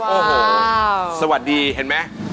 ว้าวสวัสดีเห็นไหม